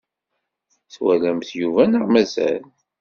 Twalamt Yuba neɣ mazal?